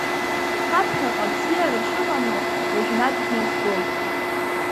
Ҳаԥхьаҟа абзиара шыҟамло уажәнатәгьы избоит.